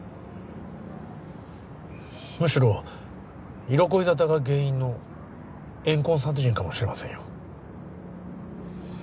むしろ色恋沙汰が原因の怨恨殺人かもしれませんよ